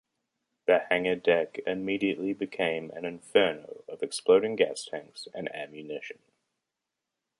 The hangar deck immediately became an inferno of exploding gas tanks and ammunition.